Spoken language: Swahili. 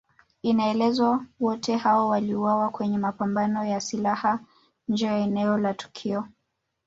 Inaelezwa wote hao waliuawa kwenye mapambano ya silaha nje ya eneo la tukio